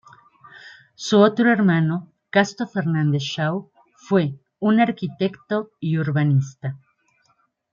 Su otro hermano, Casto Fernández-Shaw, fue un arquitecto y urbanista.